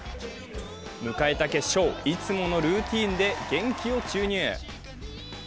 迎えた決勝、いつものルーティンで元気を注入。